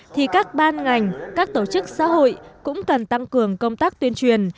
thì các ban ngành các tổ chức xã hội cũng cần tăng cường công tác tuyên truyền